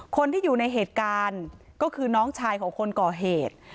คนที่อยู่ในเหตุการณ์ก็คือน้องชายของคนก่อเหตุ